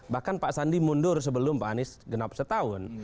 bahkan pak sandi mundur sebelum pak anies genap setahun